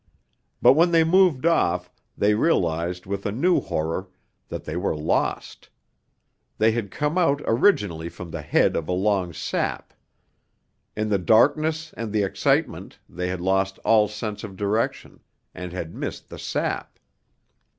But when they moved off they realized with a new horror that they were lost. They had come out originally from the head of a long sap; in the darkness and the excitement they had lost all sense of direction, and had missed the sap.